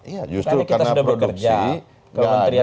karena kita sudah bekerja kementerian pertanian sebelum kementerian